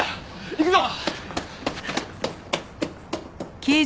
行くぞ！